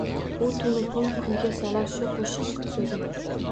U tunu kun kuyga solar shu qo’shiq so’zin: